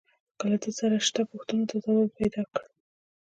له ده سره شته پوښتنو ته يې ځواب پيدا کړ.